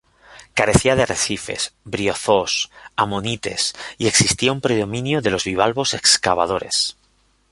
Carecía de arrecifes, briozoos, ammonites y existía un predominio de los bivalvos excavadores.